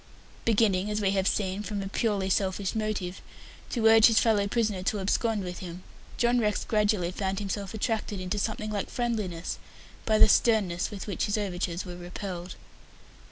Beginning, as we have seen, from a purely selfish motive, to urge his fellow prisoner to abscond with him, John Rex gradually found himself attracted into something like friendliness by the sternness with which his overtures were repelled.